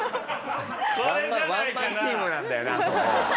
ワンマンチームなんだよなあそこ。